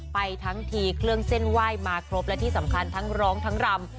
ไปทั้งทีเครื่องเส้นไหว้มาครบและที่สำคัญทั้งร้องทั้งรำ